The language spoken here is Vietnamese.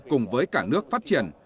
cùng với cả nước phát triển